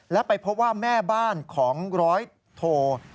และไปพบว่าแม่บ้านของร้อยโท